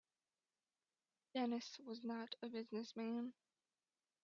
Dennis was not a business man.